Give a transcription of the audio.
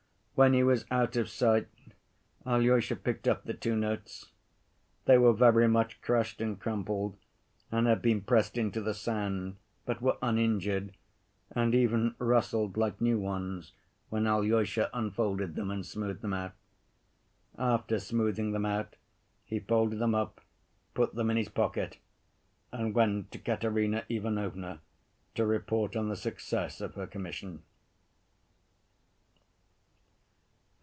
When he was out of sight, Alyosha picked up the two notes. They were very much crushed and crumpled, and had been pressed into the sand, but were uninjured and even rustled like new ones when Alyosha unfolded them and smoothed them out. After smoothing them out, he folded them up, put them in his pocket and went to Katerina Ivanovna to report on the success of her commission.